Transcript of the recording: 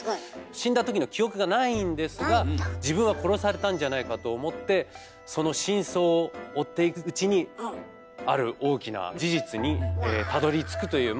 自分は殺されたんじゃないかと思ってその真相を追っていくうちにある大きな事実にたどりつくという。